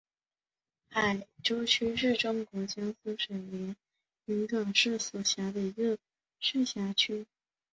海州区是中国江苏省连云港市所辖的一个市辖区。